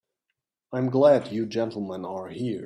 I'm glad you gentlemen are here.